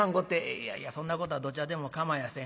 「いやいやそんなことはどっちゃでも構やせん。